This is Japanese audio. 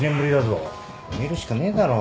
見るしかねえだろ。